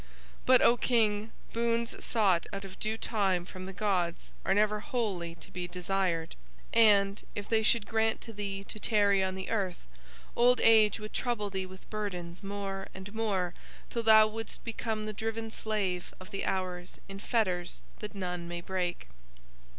But, O King, boons sought out of due time from the gods are never wholly to be desired, and, if They should grant to thee to tarry on the earth, old age would trouble thee with burdens more and more till thou wouldst become the driven slave of the hours in fetters that none may break."